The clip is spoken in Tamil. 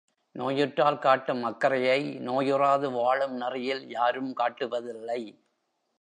நோயுற்றால் காட்டும் அக்கறையை நோயுறாது வாழும் நெறியில் யாரும் காட்டுவதில்லை.